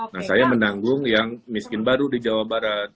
nah saya menanggung yang miskin baru di jawa barat